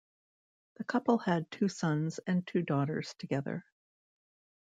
The couple had two sons and two daughters together.